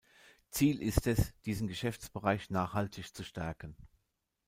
Ziel ist es, diesen Geschäftsbereich "nachhaltig zu stärken".